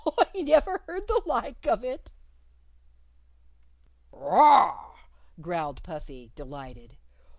"Oh, I never heard the like of it!" "Rar!" growled Puffy, delighted.